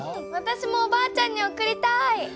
わたしもおばあちゃんにおくりたい！